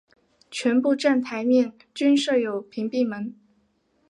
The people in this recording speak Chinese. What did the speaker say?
全部站台面均设有屏蔽门。